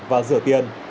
và rửa tiền